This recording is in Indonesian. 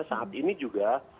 saat ini juga